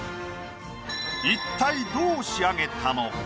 一体どう仕上げたのか？